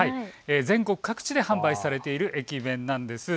全国各地で販売されている駅弁なんです。